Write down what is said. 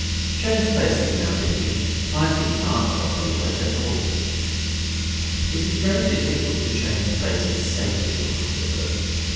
Change places now, Dicky. My feet aren't properly wet at all.' It is very difficult to change places safely on the willow.